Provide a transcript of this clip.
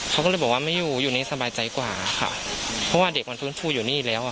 เขาก็เลยบอกว่าไม่อยู่อยู่นี่สบายใจกว่าค่ะเพราะว่าเด็กมันฟื้นฟูอยู่นี่แล้วอ่ะ